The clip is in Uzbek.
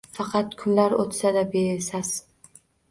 Faqat kunlar o’tsa-da besas